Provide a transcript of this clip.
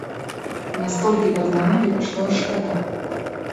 Настолькі падманулі, што аж шкада.